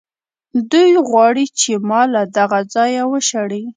دوی غواړي چې ما له دغه ځایه وشړي.